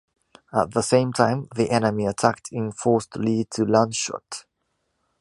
At the same time, the enemy attacked in force to lead to Landshut.